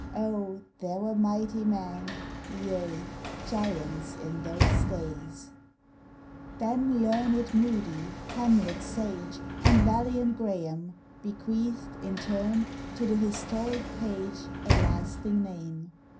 Oh, there were mighty men, yea, "giants in those days" Then learned Moodie, Temlett sage, And valiant Graham, Bequeathed, in turn, to the historic page, A lasting name.